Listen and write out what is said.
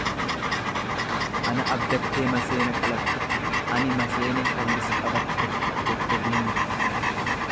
Ana abdattee maseena qalatte ani maseene falli si qabatte jette bunni.